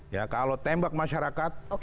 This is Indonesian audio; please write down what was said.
ya kalau tembak masyarakat